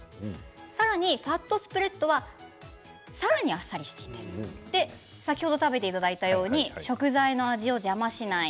さらにファットスプレッドはさらに、あっさりしていて先ほど食べていただいたように食材の味を邪魔しない。